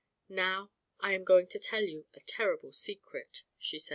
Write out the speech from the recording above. "Now I am going to tell you a terrible secret," she said.